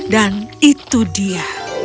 dan itu dia